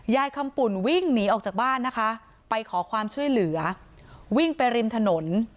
คำปุ่นวิ่งหนีออกจากบ้านนะคะไปขอความช่วยเหลือวิ่งไปริมถนน